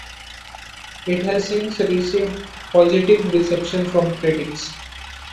It has since received positive reception from critics.